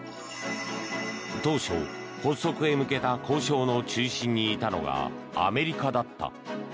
当初、発足へ向けた交渉の中心にいたのがアメリカだった。